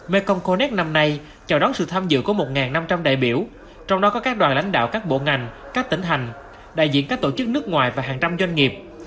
mekong connect năm nay chào đón sự tham dự của một năm trăm linh đại biểu trong đó có các đoàn lãnh đạo các bộ ngành các tỉnh hành đại diện các tổ chức nước ngoài và hàng trăm doanh nghiệp